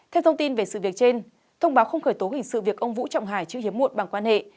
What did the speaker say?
theo thông tin về sự việc trên thông báo không khởi tố hình sự việc ông vũ trọng hải chữ hiếm muộn bằng quan hệ